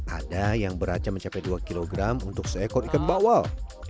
ada yang beraca mencapai dua kilogram untuk seekor ikan bawal